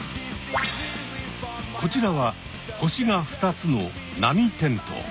こちらは星が２つのナミテントウ。